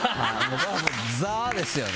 もう、ザ！ですよね。